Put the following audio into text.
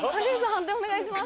判定お願いします。